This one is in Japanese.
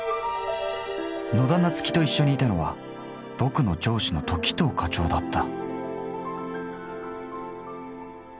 野田菜月と一緒にいたのはボクの上司の時任課長だった。